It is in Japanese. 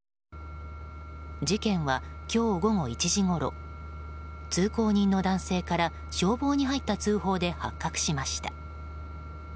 事件は、今日午後１時ごろ通行人の男性から消防に入った通報で発覚しました。